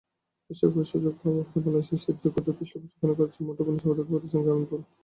বিশ্বকাপে সুযোগ পাওয়া প্রথম বাংলাদেশি সিদ্দিকুরকে পৃষ্ঠপোষণা করছে মুঠোফোন সেবাদাতা প্রতিষ্ঠান গ্রামীণফোন।